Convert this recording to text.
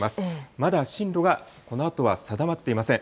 まだ進路がこのあとは定まっていません。